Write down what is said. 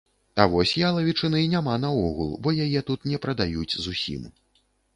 А вось ялавічыны няма наогул, бо яе тут не прадаюць зусім.